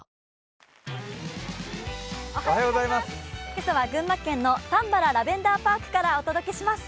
今朝は群馬県のたんばらラベンダーパークからお届けします。